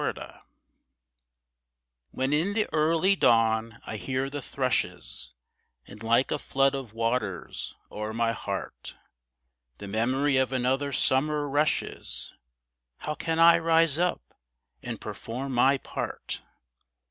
REMINDERS When in the early dawn I hear the thrushes, And like a flood of waters o'er my heart The memory of another summer rushes, How can I rise up, and perform my part?